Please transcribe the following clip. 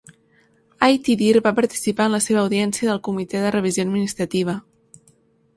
Ait Idir va participar en la seva audiència del Comitè de revisió administrativa.